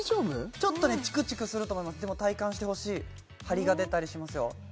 ちょっとねチクチクすると思いますでも体感してほしいハリが出たりしますよ